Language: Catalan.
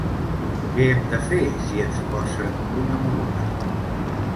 Què hem de fer si ens posen una multa?